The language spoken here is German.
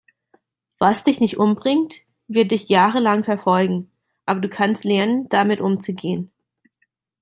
Was dich nicht umbringt, wird dich jahrelang verfolgen, aber du kannst lernen, damit umzugehen.